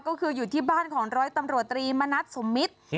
ก็คืออยู่ที่บ้านของร้อยตำรวจตรีมณัฐสมมิตร